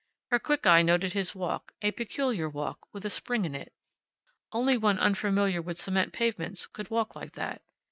Her quick eye noted his walk; a peculiar walk, with a spring in it. Only one unfamiliar with cement pavements could walk like that.